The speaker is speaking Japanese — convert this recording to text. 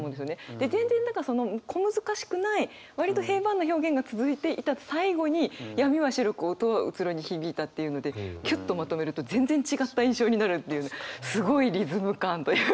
で全然だからその小難しくない割と平板な表現が続いていた最後に「闇は白く、音はうつろに響いた」っていうのでキュッとまとめると全然違った印象になるっていうすごいリズム感というか。